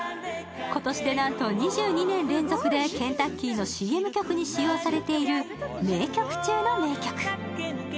今年でなんと２２年連続でケンタッキーのＣＭ曲に使用されている名曲中の名曲。